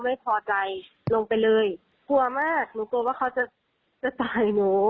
ไม่พอใจลงไปเลยกลัวมากหนูกลัวว่าเขาจะจะตายหนู